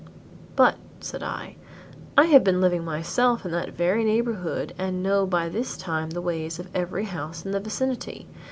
"But," said I, "I have been living myself in that very neighborhood and know by this time the ways of every house in the vicinity.